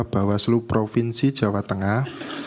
bawah seluruh provinsi jawa tengah